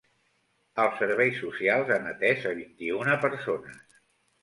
Els serveis socials han atès a vint-i-una persones.